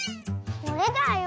これだよ。